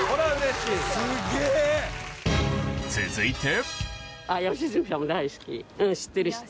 続いて。